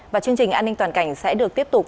và chương trình an ninh toàn cảnh sẽ được tiếp tục